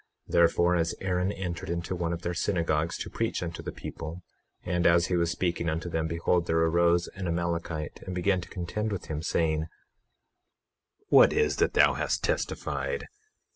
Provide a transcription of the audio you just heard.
21:5 Therefore, as Aaron entered into one of their synagogues to preach unto the people, and as he was speaking unto them, behold there arose an Amalekite and began to contend with him, saying: What is that thou hast testified?